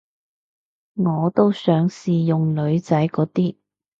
我都想試用女仔嗰啲